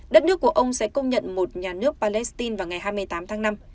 đất nước của ông sẽ công nhận một nhà nước palestine vào ngày hai mươi tám tháng năm